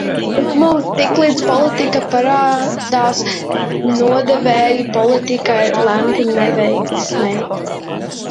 Bet, lūk, tiklīdz politikā parādās nodevēji, politika ir lemta neveiksmei.